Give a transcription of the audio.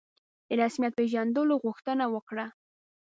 د رسمیت پېژندلو غوښتنه وکړه.